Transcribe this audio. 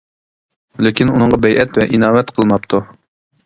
لېكىن ئۇنىڭغا بەيئەت ۋە ئىناۋەت قىلماپتۇ.